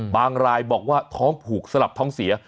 รายบอกว่าท้องผูกสลับท้องเสีย